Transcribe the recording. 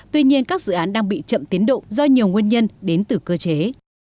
tuy nhiên các dự án đang bị chậm tiến độ do nhiều nguyên nhân đến từ cơ chế